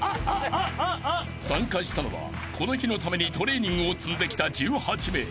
［参加したのはこの日のためにトレーニングを積んできた１８名］